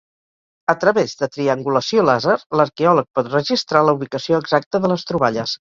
A través de triangulació làser, l'arqueòleg pot registrar la ubicació exacta de les troballes.